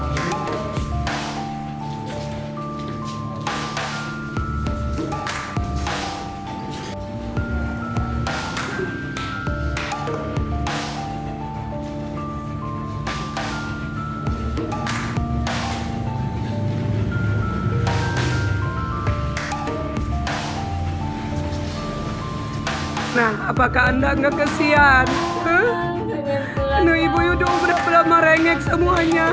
hai nah apakah anda enggak kesian hehehe no ibu yudho berpelama renggek semuanya